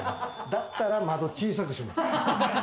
だったら窓小さくします。